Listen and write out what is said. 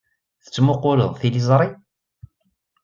Tettmuqquleḍ tiliẓri?